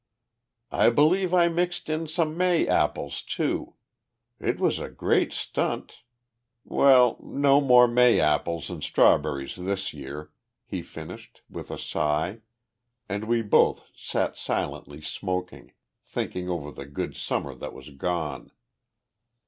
"I believe I mixed in some May apples, too. It was a great stunt ... well, no more May apples and strawberries this year," he finished, with a sigh, and we both sat silently smoking, thinking over the good Summer that was gone.